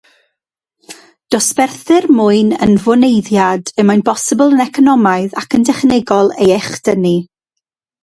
Dosberthir mwyn yn fwneiddiad y mae'n bosibl yn economaidd ac yn dechnegol ei echdynnu.